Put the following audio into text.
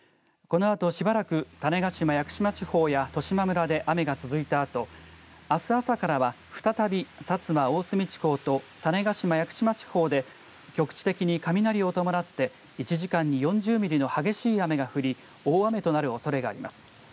このあとしばらく種子島・屋久島地方や十島村で雨が続いたあと、あす朝からは再び薩摩・大隅地方と種子島・屋久島地方で局地的に雷を伴って１時間に４０ミリの激しい雨が降り大雨となるおそれがあります。